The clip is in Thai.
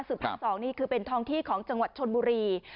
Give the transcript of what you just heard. สองนี่คือเป็นทองที่ของจังหวัดชนบุรี